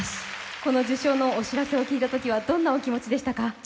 この受賞のお知らせを聞いたときは、どんなお気持ちでしたか？